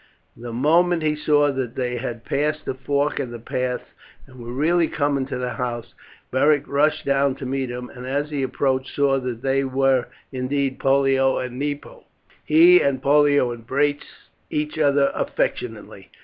The moment he saw that they had passed the fork of the paths and were really coming to the house Beric rushed down to meet them, and as he approached saw that they were indeed Pollio and Nepo. He and Pollio embraced each other affectionately.